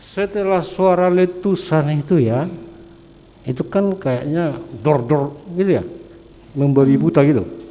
setelah suara letusan itu ya itu kan kayaknya dor dor gitu ya memberi buta gitu